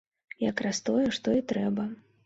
Як раз тое, што і трэба!